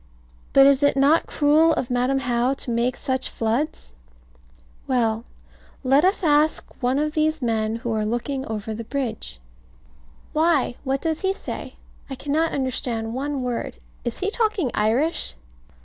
But is it not cruel of Madam How to make such floods? Well let us ask one of these men who are looking over the bridge. Why, what does he say? I cannot understand one word. Is he talking Irish?